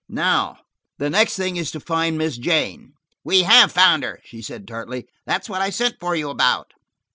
Now, the next thing is to find Miss Jane." "We have found her," she said tartly. "That's what I sent for you about."